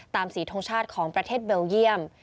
สีทงชาติของประเทศเบลเยี่ยม